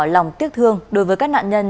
lòng tiếc thương đối với các nạn nhân